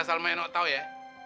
asal mak enok tau ya